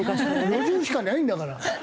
路上しかないんだから。